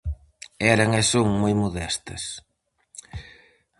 Eran e son moi modestas.